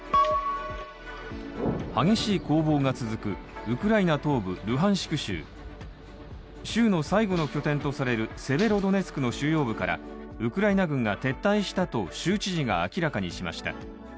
激しい攻防が続くウクライナ東部ルハンシク州州の最後の拠点とされるセベロドネツクの主要部からウクライナ軍が撤退したと州知事が明らかにしました。